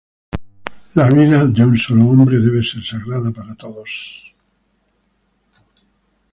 La vida del un solo hombre debe ser sagrada para todos.